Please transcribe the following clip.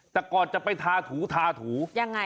แต่ก่อนจะไปทาถูทาถูยังไง